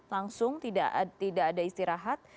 langsung tidak ada istirahat